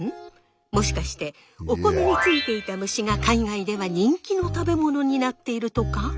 もしかしてお米についていた虫が海外では人気の食べ物になっているとか？